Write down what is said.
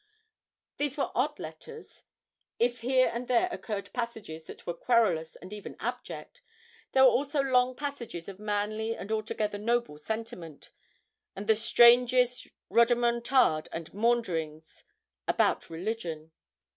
These were odd letters. If here and there occurred passages that were querulous and even abject, there were also long passages of manly and altogether noble sentiment, and the strangest rodomontade and maunderings about religion.